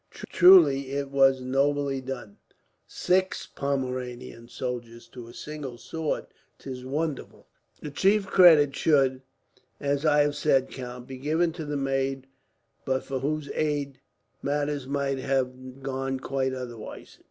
"Truly it was nobly done. Six Pomeranian soldiers to a single sword! 'Tis wonderful." "The chief credit should, as I have said, count, be given to the maid, but for whose aid matters might have gone quite otherwise."